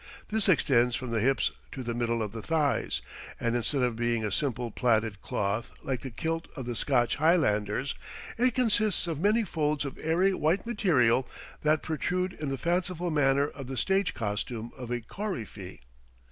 This extends from the hips to the middle of the thighs, and instead of being a simple plaited cloth, like the kilt of the Scotch Highlanders, it consists of many folds of airy white material that protrude in the fanciful manner of the stage costume of a coryphee.